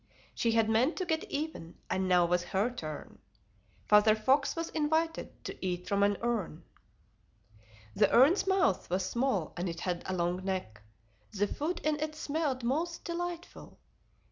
She had meant to get even, and now was her turn: Father Fox was invited to eat from an urn. The urn's mouth was small, and it had a long neck; The food in it smelled most delightful.